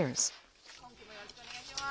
今期もよろしくお願いします。